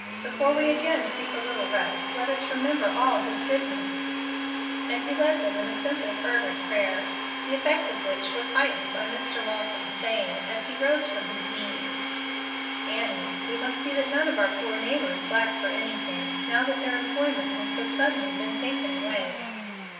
Before we again seek a little rest, let us remember all His goodness;" and he led them in a simple, fervent prayer, the effect of which was heightened by Mr. Walton saying, after he rose from his knees, "Annie, we must see that none of our poor neighbors lack for anything, now that their employment has so suddenly been taken away."